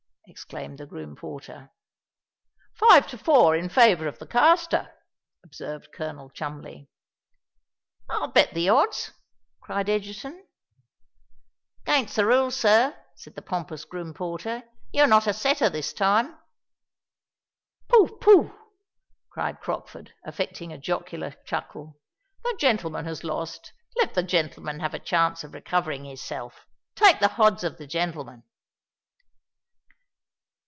exclaimed the groom porter. "Five to four in favour of the caster," observed Colonel Cholmondeley. "I'll bet the odds," cried Egerton. "'Gainst the rules, sir," said the pompous groom porter: "you're not a setter this time." "Pooh, pooh!" cried Crockford, affecting a jocular chuckle. "The gentleman has lost—let the gentleman have a chance of recovering his self. Take the hodds of the gentleman."